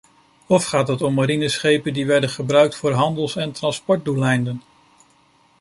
Of gaat het om marineschepen die werden gebruikt voor handels- en transportdoeleinden?